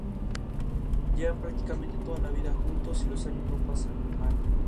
Llevan prácticamente toda la vida juntos y los años no pasan en balde.